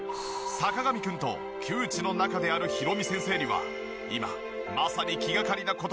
坂上くんと旧知の仲であるヒロミ先生には今まさに気がかりな事があった。